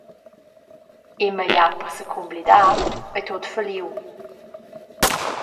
E magliar per secumblidar ei tut falliu.